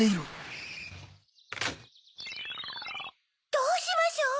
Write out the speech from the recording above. どうしましょう。